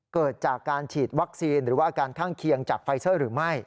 เกิดจากการฉีดวัคซีนหรือว่าอาการข้างเคียงจากไฟเซอร์หรือไม่